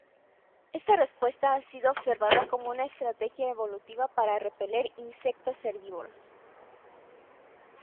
Esta respuesta ha sido observada como una estrategia evolutiva para repeler insectos herbívoros.